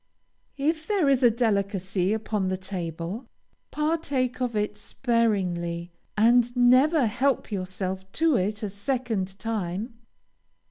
If there is a delicacy upon the table, partake of it sparingly, and never help yourself to it a second time.